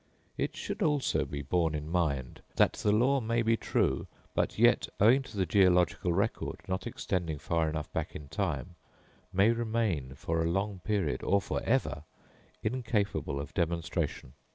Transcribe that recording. It should also be borne in mind, that the law may be true, but yet, owing to the geological record not extending far enough back in time, may remain for a long period, or for ever, incapable of demonstration.